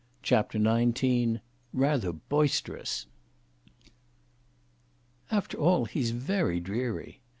CHAPTER XIX. RATHER "BOISTEROUS." "After all, he's very dreary!"